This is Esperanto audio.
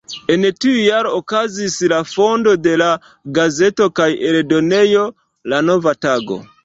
En tiu jaro okazis la fondo de la gazeto kaj eldonejo "La Nova Tago".